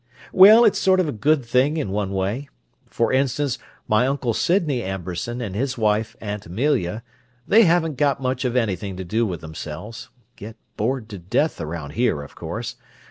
"Well, it's sort of a good thing in one way. For instance, my Uncle Sydney Amberson and his wife, Aunt Amelia, they haven't got much of anything to do with themselves—get bored to death around here, of course.